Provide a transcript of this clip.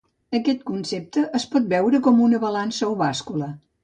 Aquest concepte es pot veure com una balança o bàscula.